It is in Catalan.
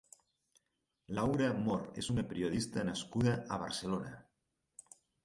Laura Mor és una periodista nascuda a Barcelona.